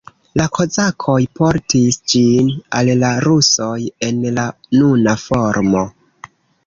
La kozakoj portis ĝin al la rusoj en la nuna formo.